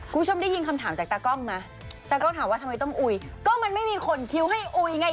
คุณผู้ชมได้ยินคำถามจากตากล้องไหมตากล้องถามว่าทำไมต้องอุยก็มันไม่มีขนคิ้วให้อุ๋ยไง